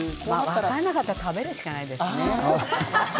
分からなかったら食べるしかないですね。